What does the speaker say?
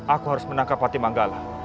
aku harus menangkap pati manggalar